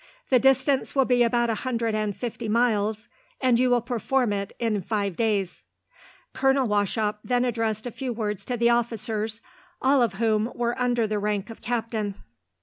The distance will be about a hundred and fifty miles, and you will perform it in five days." Colonel Wauchop then addressed a few words to the officers, all of whom were under the rank of captain.